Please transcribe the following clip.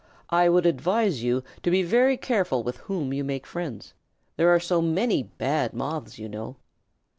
I would advise you to be very careful with whom you make friends. There are so many bad Moths, you know."